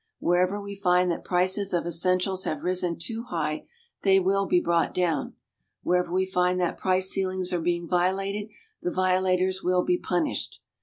Wherever we find that prices of essentials have risen too high, they will be brought down. Wherever we find that price ceilings are being violated, the violators will be punished.